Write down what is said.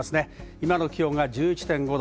今の気温が１１．５度。